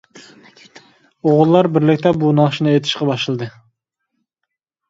ئوغۇللار بىرلىكتە بۇ ناخشىنى ئېيتىشقا باشلىدى.